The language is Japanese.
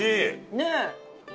ねえ。